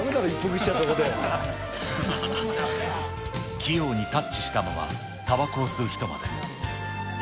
器用にタッチしたまま、たばこを吸う人まで。